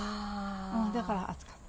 だから暑かった。